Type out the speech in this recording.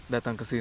datang ke sini